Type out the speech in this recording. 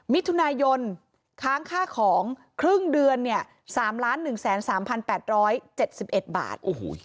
มิถุนายนค้างค่าของครึ่งเดือน๓๑๓๘๗๑บาท